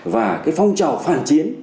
và cái phong trào phản chiến